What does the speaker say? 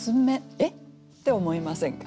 「えっ？」って思いませんか？